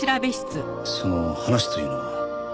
その話というのは？